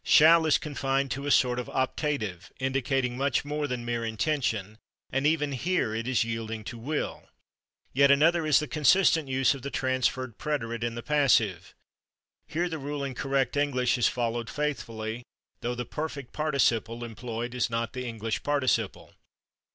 /Shall/ is confined to a sort of optative, indicating much more than mere intention, and even here it is yielding to /will/. Yet another is the consistent use of the transferred preterite in the passive. Here the rule in correct English is followed faithfully, though the perfect participle [Pg209] employed is not the English participle.